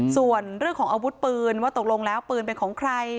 ส่วนเรื่องของอาวุธปืนว่าตกลงแล้วปืนเป็นของใคร